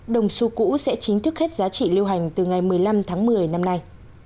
đồng su cũ sẽ chính thức hết giá trị lưu hành từ ngày một mươi năm tháng một mươi năm nay